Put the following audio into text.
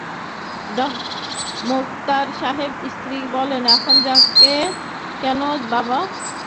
মোক্তার সাহেবের স্ত্রী বললেন, এখন যাবে কেন বাবা?